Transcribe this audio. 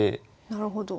なるほど。